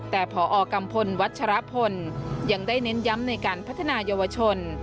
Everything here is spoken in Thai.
แต่พอกัมพลวัชรพลยังได้เน้นย้ำในการพัฒนายาวชน